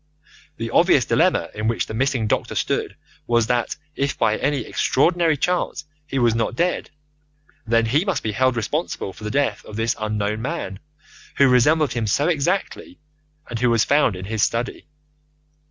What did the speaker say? The obvious dilemma in which the missing doctor stood was that if by any extraordinary chance he was not dead, then he must be held responsible for the death of this unknown man, who resembled him so exactly, and who was found in his study.